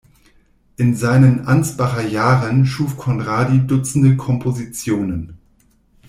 In seinen Ansbacher Jahren schuf Conradi dutzende Kompositionen.